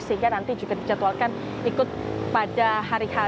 sehingga nanti juga dijatuhkan ikut pada hari hal